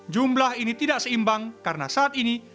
jumlah ini tidak seimbang karena saat ini